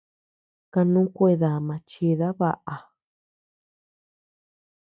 Kanu kuedama chida baʼa.